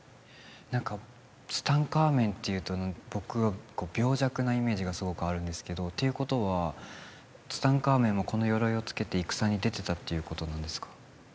何かツタンカーメンっていうと僕は病弱なイメージがすごくあるんですけどていうことはツタンカーメンもこの鎧を着けて戦に出てたっていうことなんですか？